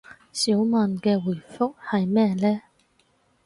小曼嘅回覆係咩呢